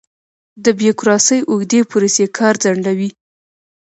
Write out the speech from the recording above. د بیروکراسۍ اوږدې پروسې کار ځنډوي.